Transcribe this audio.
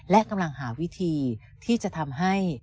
และกำลังหาวิธีที่จะทำให้